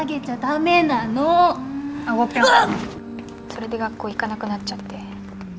それで学校行かなくなっちゃって。